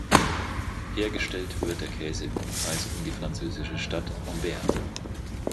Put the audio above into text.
Hergestellt wird der Käse im Umkreis um die französische Stadt Ambert.